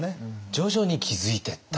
徐々に気付いていった？